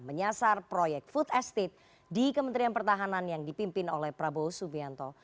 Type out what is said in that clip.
menyasar proyek food estate di kementerian pertahanan yang dipimpin oleh prabowo subianto